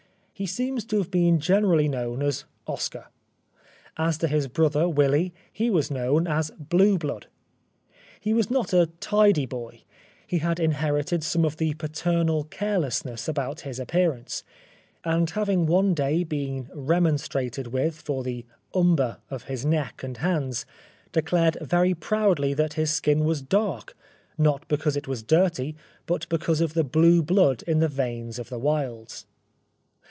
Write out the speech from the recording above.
He seems to have been generally known as " Oscar." As to his brother, Willy, he was known as " Blue Blood." He was not a tidy boy ; he had inherited some of the paternal carelessness about his appearance, and having one day been re monstrated with for the umber of his neck and hands, declared very proudly that his skin was dark, not because it was dirty, but because of the blue blood in the veins of the Wildes.